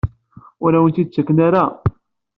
Ur awen-ten-id-ttaken ara?